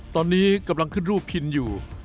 ตอนนี้กำลังขึ้นรูปพิมพ์อยู่